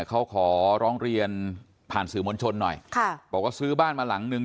เขาขอร้องเรียนผ่านสื่อมวลชนหน่อยค่ะบอกว่าซื้อบ้านมาหลังนึง